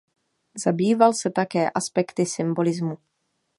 Zabýval se také aspekty symbolismu.